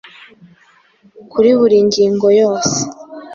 kuri buri ngingo yose